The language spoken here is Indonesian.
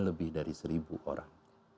lebih dari seribu orang